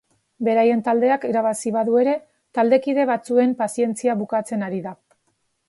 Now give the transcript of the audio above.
Beraien taldeak irabazi badu ere, taldekide batzuen pazientzia bukatzen ari da.